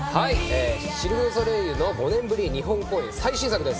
シルク・ドゥ・ソレイユの５年ぶりの日本公演最新作です。